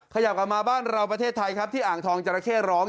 ขยับกลับมาบ้านเราประเทศไทยครับที่อ่างทองจราเข้ร้อง